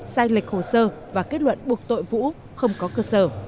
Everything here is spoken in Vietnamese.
sai lệch hồ sơ và kết luận buộc tội vũ không có cơ sở